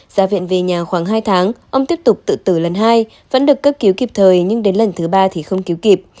ra viện về nhà khoảng hai tháng ông tiếp tục tự tử lần hai vẫn được cấp cứu kịp thời nhưng đến lần thứ ba thì không cứu kịp